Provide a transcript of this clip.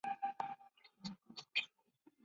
而历史上的战争也多属于此。